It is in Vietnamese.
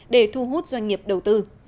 để thu hút doanh nghiệp đầu tư